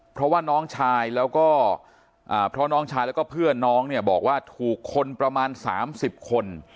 เพราะว่าน้องชายแล้วก็เพื่อนน้องเนี่ยบอกว่าถูกคนประมาณ๓๐คน